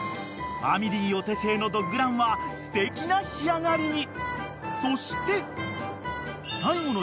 ［ファミリーお手製のドッグランはすてきな仕上がりに］